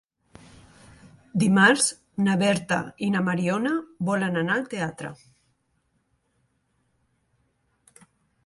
Dimarts na Berta i na Mariona volen anar al teatre.